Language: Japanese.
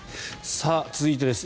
続いてです。